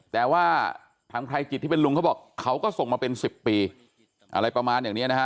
แต่ว่าทางใครจิตที่เป็นลุงเขาบอกเขาก็ส่งมาเป็น๑๐ปีอะไรประมาณอย่างนี้นะฮะ